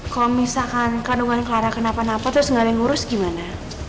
kalau misalkan kandungan kelara kenapa napa terus nggak ada yang ngurus gimana